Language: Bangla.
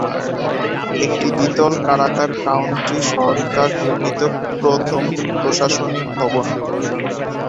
একটি দ্বিতল কারাগার কাউন্টি সরকার নির্মিত প্রথম প্রশাসনিক ভবন।